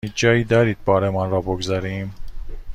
هیچ جایی دارید بارمان را بگذاریم؟